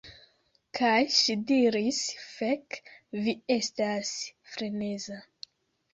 Kaj ŝi diris: "Fek, vi estas freneza."